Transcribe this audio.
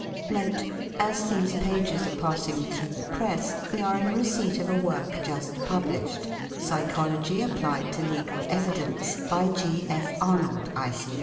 Note.—As these pages are passing through the press we are in receipt of a work just published, Psychology applied to Legal Evidence, by G. F. Arnold, I.